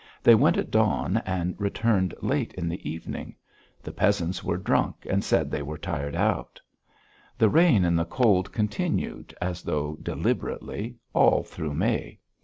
They went at dawn and returned late in the evening. The peasants were drunk and said they were tired out. The rain and the cold continued, as though deliberately, all through May.